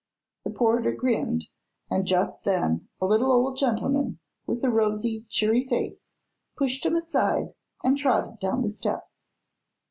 The porter grinned, and just then a little old gentleman with a rosy, cheery face pushed him aside and trotted down the steps.